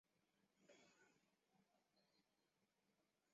耶律铎轸在官任上去世。